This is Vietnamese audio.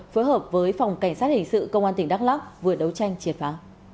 phối hợp với phòng cảnh sát hình sự công an tỉnh đắk lắc vừa đấu tranh triệt phá